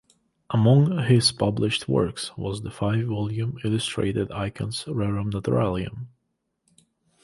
Among his published works was the five-volume illustrated "Icones rerum naturalium".